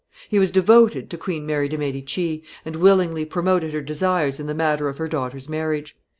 He was devoted to Queen Mary de' Medici, and willingly promoted her desires in the matter of her daughter's marriage.